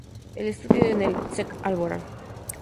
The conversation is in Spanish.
Él estudió en el Sek Alborán.